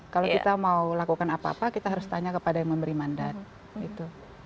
kalau kita mau lakukan apa apa kita harus tanya kepada yang memberi mandat gitu